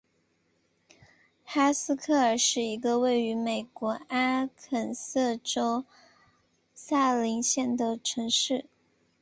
哈斯克尔是一个位于美国阿肯色州萨林县的城市。